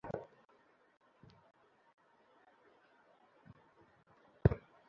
তবে নিয়োগ পাওয়ার তিন মাস পরও নিরীক্ষা কার্যক্রম শুরু করতে পারেনি প্রতিষ্ঠানটি।